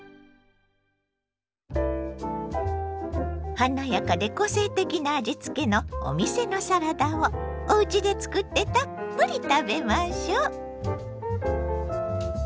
華やかで個性的な味つけのお店のサラダをおうちでつくってたっぷり食べましょ！